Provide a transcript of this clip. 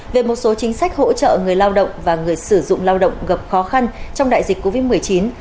về một số chính sách hỗ trợ người lao động và người sử dụng lao động gặp khó khăn trong đại dịch covid một mươi chín